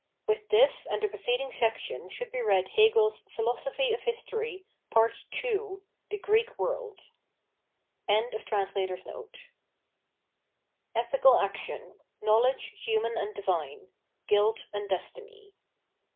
With this and the preceding section should be read Hegel's PhilosoxjJiy of History^ Part II, "The Greek World."] 459 Ethical Action. Knowledce, Human and Divine. Guilt and Destiny.